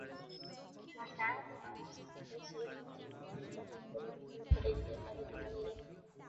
আশা নতমস্তকে সেই ভর্ৎসনা বহন করিয়া নিজের ঘরে গিয়া কাঁদিতে লাগিল।